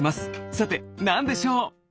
さてなんでしょう？